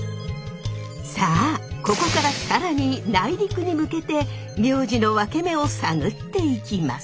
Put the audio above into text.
さあここから更に内陸に向けて名字のワケメを探っていきます。